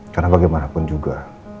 karena bagaimanapun juga